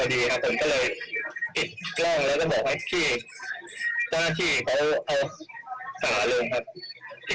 พี่เจ้าหน้าที่เขาก็เลยบอกให้พี่ผู้ชายของนั้นเอาขาลง